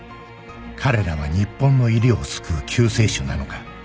彼らは日本の医療を救う救世主なのか？